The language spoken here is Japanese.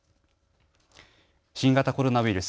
新型コロナウイルス。